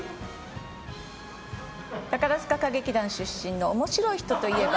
宝塚歌劇団出身の面白い人といえば？